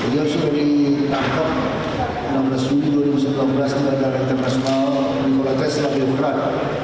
dia sudah ditangkap enam belas juni dua ribu sembilan belas dengan daerah internasional nikola tesla di oran